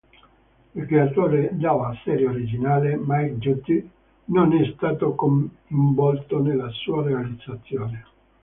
Il creatore della serie originale, Mike Judge, non è stato coinvolto nella sua realizzazione.